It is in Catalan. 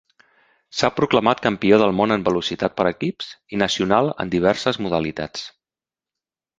S'ha proclamat Campió del món en Velocitat per equips, i nacional en diverses modalitats.